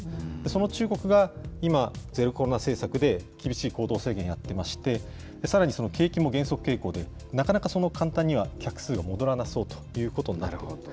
その中国が今、ゼロコロナ政策で厳しい行動制限やってまして、さらに景気も減速傾向で、なかなか簡単には客数が戻らなそうということになると。